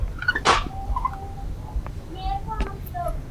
Barua imepotea